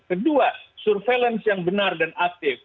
kedua surveillance yang benar dan aktif